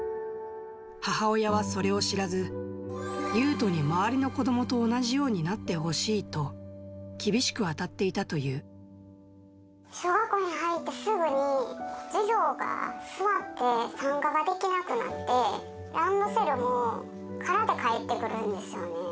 母親はそれを知らず、ユウトに周りの子どもと同じようになってほしいと、厳しく当たっ小学校に入ってすぐに、授業が座って参加ができなくなって、ランドセルも空で帰ってくるんですよね。